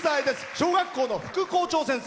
小学校の副校長先生。